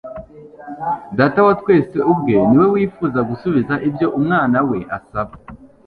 Data wa twese ubwe ni we wifuza gusubiza ibyo Umwana we asaba.